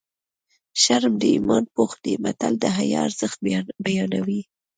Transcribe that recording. شرم د ایمان پوښ دی متل د حیا ارزښت بیانوي